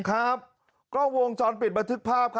กล้องวงจรปิดบันทึกภาพ